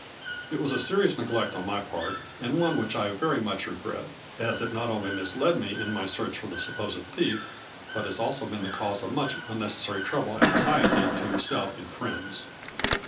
It was a serious neglect on my part, and one which I very much regret, as it not only misled me in my search for the sup posed thief, but has also been the cause of much unnecessary trouble and anxiety to your self and friends.